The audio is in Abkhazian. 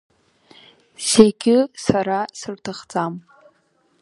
Зегьы сара сырҭахӡам…